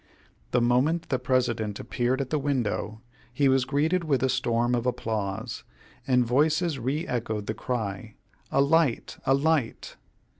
The moment the President appeared at the window he was greeted with a storm of applause, and voices re echoed the cry, "A light! a light!"